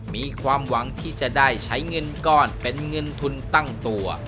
มีความหวังที่จะได้ใช้เงินก้อนเป็นเงินทุนตั้งตัว